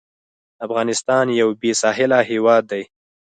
افغانستان یو بېساحله هېواد دی.